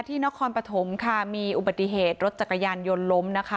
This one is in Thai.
นครปฐมค่ะมีอุบัติเหตุรถจักรยานยนต์ล้มนะคะ